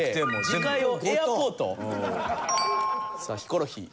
さあヒコロヒー。